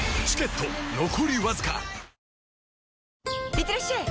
いってらっしゃい！